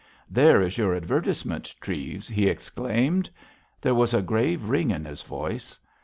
"There is your advertisement, Treves," he exclaimed. There was a grave ring in his voice.